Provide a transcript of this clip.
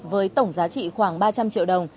với tổng giá trị khoảng ba trăm linh triệu đồng